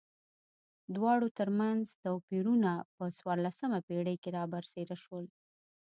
دواړو ترمنځ توپیرونه په څوارلسمه پېړۍ کې را برسېره شول.